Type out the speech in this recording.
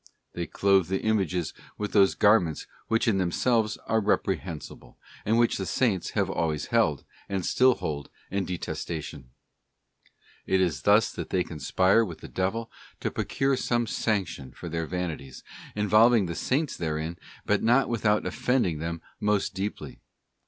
They clothe the images with those garments which in them ey i aah Sy aa Se i See a, MOTIVE GOODS AFFECTING THE WILL. 295 selves are reprehensible, and which the Saints have always held, and still hold, in detestation. It is thus that they conspire with the devil to procure some sanction for their vanities, involving the Saints therein, but not without offend ing them most deeply.